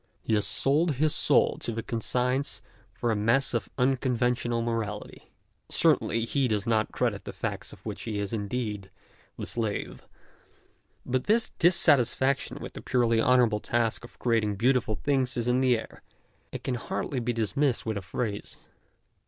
He has sold his soul to his conscience for a mess of unconventional morality. Certainly he does not credit the facts of which he is indeed the slave. But this dissatisfaction with the purely honourable task of creating beautiful things is in the air, and can hardly be dismissed with a phrase.